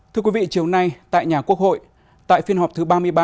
thưa quý vị chiều nay tại nhà quốc hội tại phiên họp thứ ba mươi ba